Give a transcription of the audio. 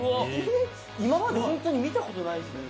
・今までホントに見たことないっすね・